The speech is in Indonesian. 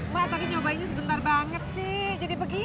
mbak nyobain sebentar banget sih jadi begitu